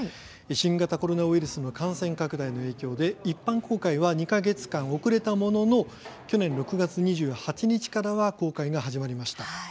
新型コロナウイルスの感染拡大の影響で一般公開は２か月間遅れたものの去年６月２８日からは公開が始まりました。